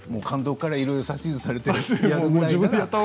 監督からいろいろ指図されてやるぐらいだったら。